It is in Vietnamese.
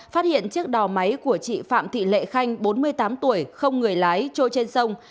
phát hiện chiếc đò máy của chị phạm thị lệ khanh bốn mươi tám tuổi không người lái trôi trên sông